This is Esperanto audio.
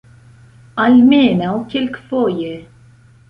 Almenaŭ kelkfoje.